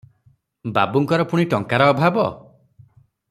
ବାବୁଙ୍କର ପୁଣି ଟଙ୍କାର ଅଭାବ?